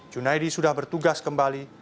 junaidi sudah bertugas kembali